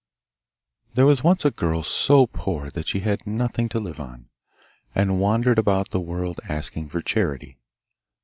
There was once a girl so poor that she had nothing to live on, and wandered about the world asking for charity.